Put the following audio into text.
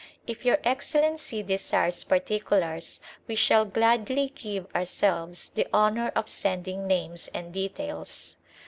If Your Excellency desires particulars we shall gladly give ourselves the honour of sending names and details.